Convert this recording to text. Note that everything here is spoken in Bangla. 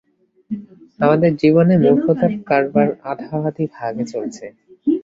আমাদের জীবনে মুর্খতার কারবার আধাআধি ভাগে চলছে।